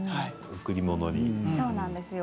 贈り物に。